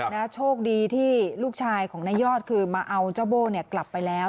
โชคดีที่ลูกชายของนายยอดคือมาเอาเจ้าโบ้กลับไปแล้ว